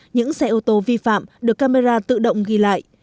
những xe ô tô vi phạm được camera tự động ghi lại